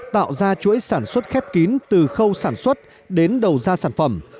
tạo ra chuỗi sản xuất khép kín từ khâu sản xuất đến đầu ra sản phẩm